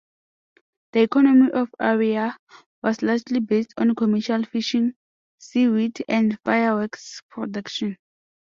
The economy of Arai was largely based on commercial fishing, seaweed, and fireworks production.